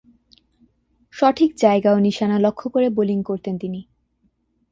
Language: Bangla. সঠিক জায়গা ও নিশানা লক্ষ্য করে বোলিং করতেন তিনি।